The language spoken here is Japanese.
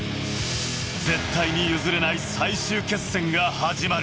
絶対に譲れない最終決戦が始まる。